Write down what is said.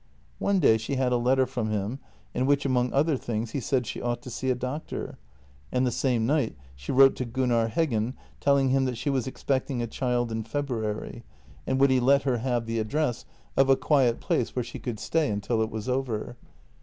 One day she had a letter from him in which, among other things, he said she ought to see a doctor, and the same night she wrote to Gunnar Heggen telling him that she was expecting a child in February, and would he let her have the address of 240 JENNY a quiet place where she could stay until it was over.